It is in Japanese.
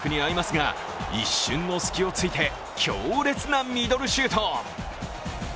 厳しいマークにあいますが一瞬の隙を突いて強烈なミドルシュート。